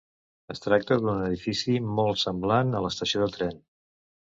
Es tracta d'un edifici molt semblant a l'estació de tren.